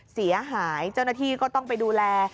เสียหายเจ้าหน้าที่ก็ต้องไปดูแล